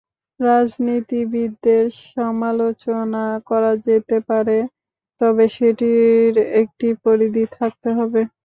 রাজনীতিবিদদের সমালোচনা করা যেতে পারে, তবে সেটির একটি পরিধি থাকতে হবে।